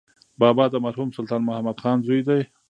بابا د مرحوم سلطان محمد خان زوی دی.